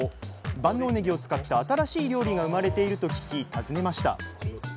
万能ねぎを使った新しい料理が生まれていると聞き訪ねました